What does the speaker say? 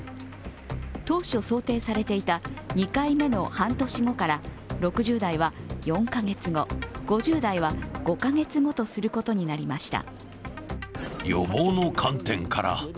当初想定されていた２回目の半年後から６０代は４カ月後、５０代は５カ月後とすることになりました。